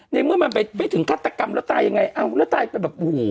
ในเมื่อมันไปไม่ถึงฆาตกรรมแล้วตายยังไงอ้าวแล้วตายไปแบบโอ้โห